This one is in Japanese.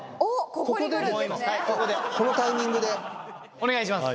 お願いします。